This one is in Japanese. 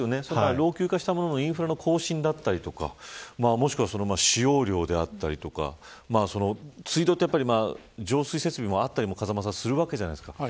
老朽化したもののインフラの更新だったり使用量であったり水道はやっぱり浄水設備もあったりするわけじゃないですか。